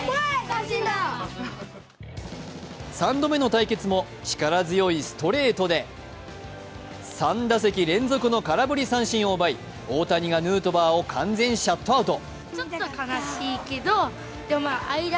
３度目の対決も、力強いストレートで３打席連続の空振り三振を奪い大谷がヌートバーを完全シャットアウト。